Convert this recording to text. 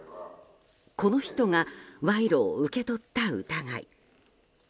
この人が賄賂を受け取った疑い。